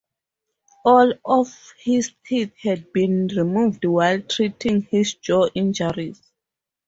All of his teeth had to be removed while treating his jaw injuries.